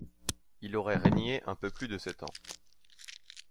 Il aurait régné un peu plus de sept ans.